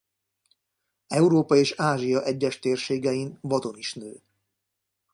Európa és Ázsia egyes térségein vadon is nő.